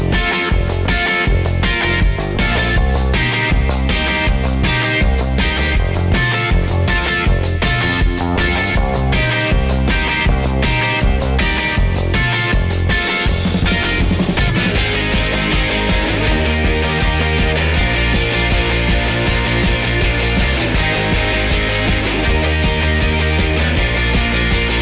สวัสดิ์๓๐ครับผม